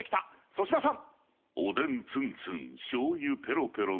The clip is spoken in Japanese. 粗品さん。